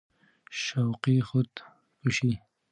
شوقي خود کشي